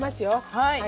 はい。